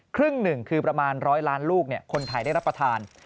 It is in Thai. ครึ่งหนึ่งคือประมาณ๑๐๐ล้านลูกคนไทยได้รับประทาน